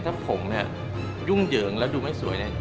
ถ้าผมเนี่ยยุ่งเหยิงแล้วดูไม่สวยเนี่ย